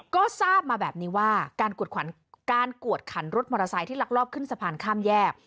ก็ทราบมาแบบนี้ว่าการกวดขันรถมอเตอร์ไซค์ที่ลักลอบขึ้นสะพานข้ามแยก